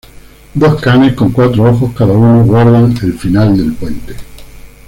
Dos canes con cuatro ojos cada uno guardan al final del puente.